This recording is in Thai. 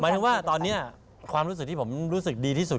ถึงว่าตอนนี้ความรู้สึกที่ผมรู้สึกดีที่สุด